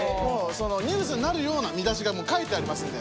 ニュースになるような見出しが書いてありますので。